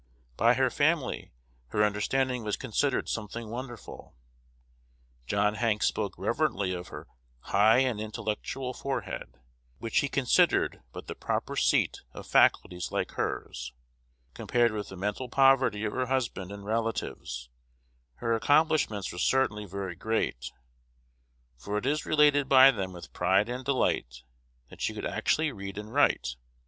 By her family, her understanding was considered something wonderful. John Hanks spoke reverently of her "high and intellectual forehead," which he considered but the proper seat of faculties like hers. Compared with the mental poverty of her husband and relatives, her accomplishments were certainly very great; for it is related by them with pride and delight that she could actually read and write.